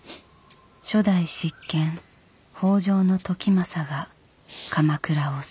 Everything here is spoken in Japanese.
初代執権北条時政が鎌倉を去る。